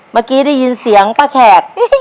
เมื่อกี้ได้ยินเสียงป้าแขก